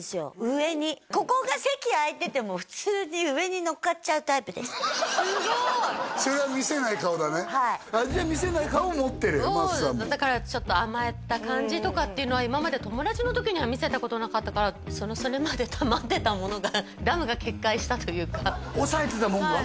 上にここが席空いてても普通にそれは見せない顔だねはいじゃあ見せない顔を持ってる真麻さんもだからちょっと甘えた感じとかっていうのは今まで友達の時には見せたことなかったからそれまでたまってたものがダムが決壊したというか抑えてたものが？